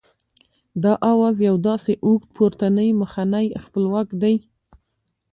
دا آواز یو داسې اوږد پورتنی مخنی خپلواک دی